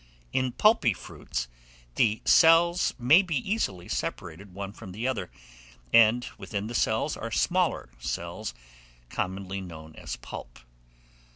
In pulpy fruits, the cells may be easily separated one from the other; and within the cells are smaller cells, commonly known as pulp.